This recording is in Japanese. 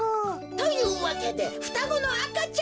というわけでふたごのあかちゃんなのだ！